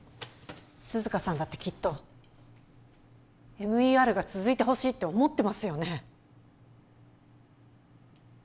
涼香さんだってきっとＭＥＲが続いてほしいって思ってますよね